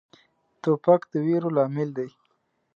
توپک د ویرو لامل دی.